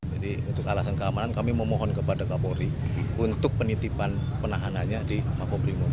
jadi untuk alasan keamanan kami memohon kepada kapolri untuk penitipan penahanannya di makobrimob